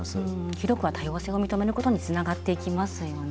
広くは多様性を認めることにつながっていきますよね。